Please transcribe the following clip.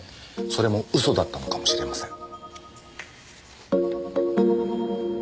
それも嘘だったのかもしれません。